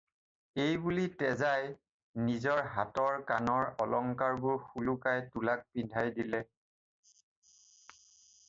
এইবুলি তেজাই নিজৰ হাতৰ-কাণৰ অলংকাৰবোৰ সোলোকাই তুলাক পিন্ধাই দিলে।